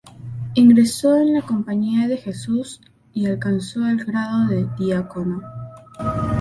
Ingresó en la Compañía de Jesús y alcanzó el grado de diácono.